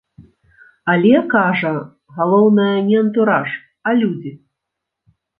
Але, кажа, галоўнае не антураж, а людзі.